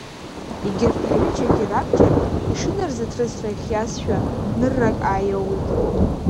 Егьырҭ аҩыџьагьы рабџьар ишынарзыҭрысра ихиазшәа, ныррак ааиоуит.